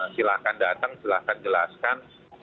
silahkan datang silahkan jelaskan